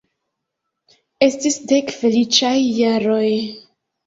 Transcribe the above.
Estis dek feliĉaj jaroj.